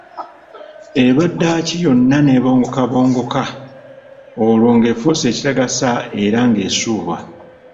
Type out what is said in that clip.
Erwa ddaaki yonna n'ebongokabongoka, olwo ng'efuuse ekitagasa era ng'esuulwa!